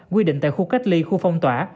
quy định tại khu cách ly khu phong tỏa